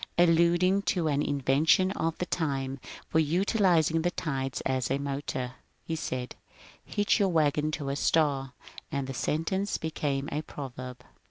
" Alluding to an invention of the time for utilizing the tides as a motor, he said, ^' Hitch your wagon to a star," and the sentence be came a proverb.